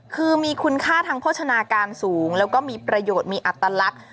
คือมีคุณค่าทางโภชนาการสูงแล้วก็มีประโยชน์มีอัตลักษณ์